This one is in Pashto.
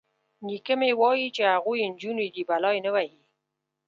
_نيکه مې وايي چې هغوی نجونې دي، بلا يې نه وهي.